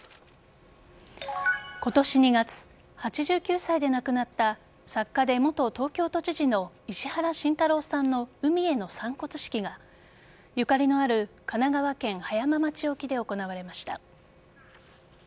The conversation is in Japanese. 今年２月、８９歳で亡くなった作家で元東京都知事の石原慎太郎さんの海への散骨式がゆかりのある神奈川県葉山町沖で行われました。